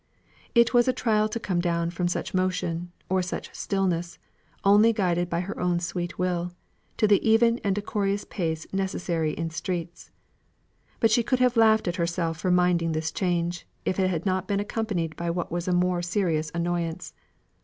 It was a trial to come down from such motion or such stillness, only guided by her own sweet will, to the even and decorous pace necessary in streets. But she could have laughed at herself for minding this change, if it had not been accompanied by what was a more serious annoyance.